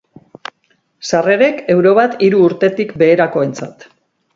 Sarrerek euro bat hiru urtetik beherakoentzat.